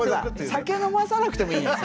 酒飲まさなくてもいい。